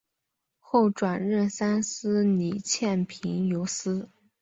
后转任三司理欠凭由司。